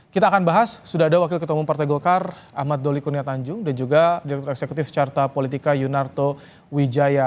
kita akan bahas sudah ada wakil ketua umum partai golkar ahmad doli kurnia tanjung dan juga direktur eksekutif carta politika yunarto wijaya